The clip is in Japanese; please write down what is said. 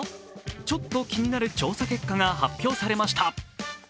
ちょっと気になる調査結果が発表されました。